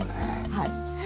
はい。